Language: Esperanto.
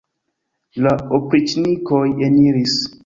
La opriĉnikoj eniris.